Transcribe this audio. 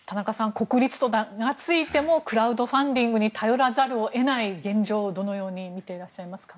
国立と名がついてもクラウドファンディングに頼らざるを得ない現状をどのように見ていらっしゃいますか。